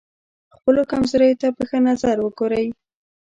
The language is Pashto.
خپلو کمزوریو ته په ښه نظر وګورئ.